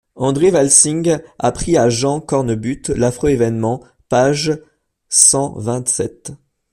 André Vasling, apprit à Jean Cornbutte l’affreux événement, page cent vingt-sept.